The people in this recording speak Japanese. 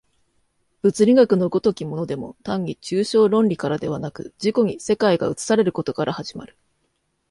物理学の如きものでも単に抽象論理からではなく、自己に世界が映されることから始まる。